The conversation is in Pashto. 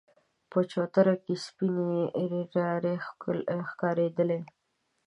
په چوتره کې سپينې ريتاړې ښکارېدلې.